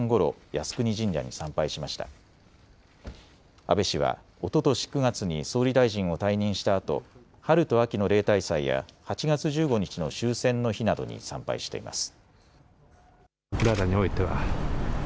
安倍氏は、おととし９月に総理大臣を退任したあと春と秋の例大祭や８月１５日の終戦の日などに参拝しています。